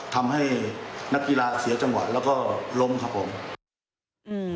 ทำให้นักกีฬาเสียจังหวะแล้วก็ล้มครับผมอืม